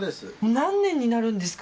何年になるんですか？